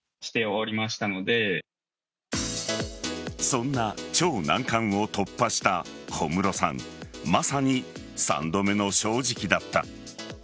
そんな超難関を突破した小室さんまさに三度目の正直だった。